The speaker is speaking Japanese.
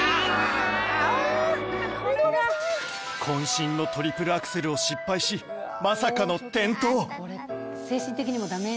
渾身のトリプルアクセルを失敗しまさかの転倒